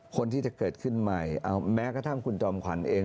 คนที่จะเกิดขึ้นใหม่แม้กระทั่งคุณจอมขวัญเอง